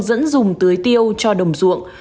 dẫn dùng tưới tiêu cho đồng ruộng